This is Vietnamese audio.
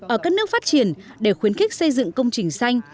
ở các nước phát triển để khuyến khích xây dựng công trình xanh